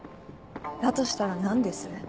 だとしたら何です？